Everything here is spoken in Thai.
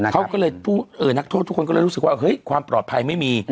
เขาก็เลยนักโทษทุกคนก็เลยรู้สึกว่าเฮ้ยความปลอดภัยไม่มี